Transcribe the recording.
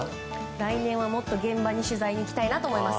来年はもっと現場に取材に行きたいなと思います。